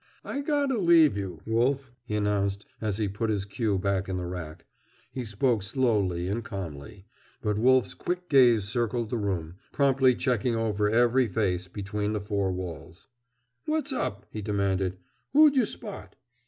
"I got 'o leave you, Wolf," he announced as he put his cue back in the rack. He spoke slowly and calmly. But Wolf's quick gaze circled the room, promptly checking over every face between the four walls. "What's up?" he demanded. "Who'd you spot?"